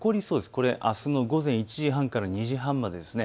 これ午前１時半から２時半までです。